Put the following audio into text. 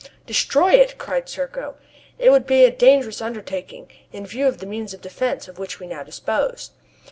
"Destroy it!" cried Serko. "It would be a dangerous undertaking, in view of the means of defence of which we now dispose."